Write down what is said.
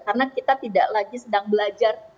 karena kita tidak lagi sedang belajar